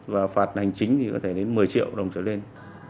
và phạt hành chính thì có thể đến một mươi triệu đồng trở lên